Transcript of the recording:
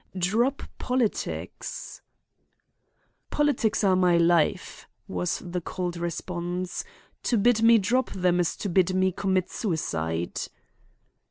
Drop politics.' "'Politics are my life,' was the cold response. 'To bid me drop them is to bid me commit suicide.